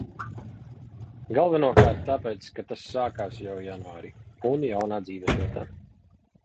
Galvenokārt tāpēc, ka tas sākās jau janvārī un jaunā dzīvesvietā.